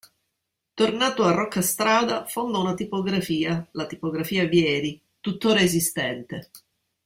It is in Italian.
Tornato a Roccastrada, fonda una tipografia, la "Tipografia Vieri", tuttora esistente.